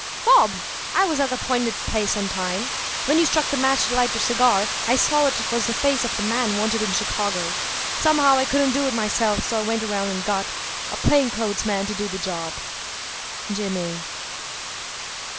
~"Bob: I was at the appointed place on time. When you struck the match to light your cigar I saw it was the face of the man wanted in Chicago. Somehow I couldn't do it myself, so I went around and got a plain clothes man to do the job. JIMMY."